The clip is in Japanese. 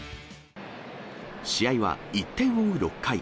試合は１点を追う６回。